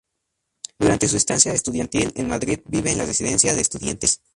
Durante su estancia estudiantil en Madrid vive en la Residencia de Estudiantes.